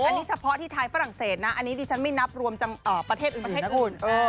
อันนี้เฉพาะที่ท้ายฝรั่งเศสนะอันนี้ดิฉันไม่นับรวมประเทศอื่น